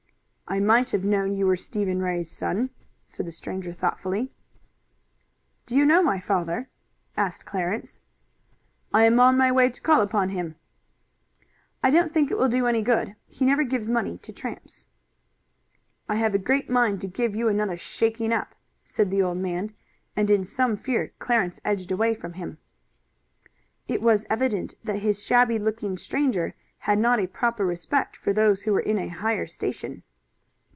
"I might have known you were Stephen Ray's son," said the stranger thoughtfully. "Do you know my father?" asked Clarence. "I am on my way to call upon him." "I don't think it will do any good. He never gives money to tramps." "I have a great mind to give you another shaking up," said the man, and in some fear Clarence edged away from him. It was evident that this shabby looking stranger had not a proper respect for those who were in a higher station.